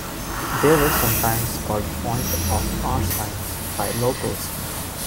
They were sometimes called "point of Arsines" by locals.